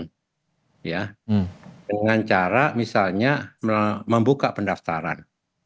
dengan cara misalnya membuka pendaftaran